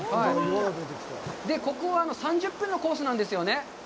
ここは３０分のコースなんですよね？